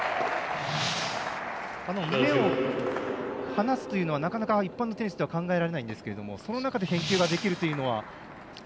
目を離すというのはなかなか一般のテニスでは考えられないんですがその中で返球ができるというのは。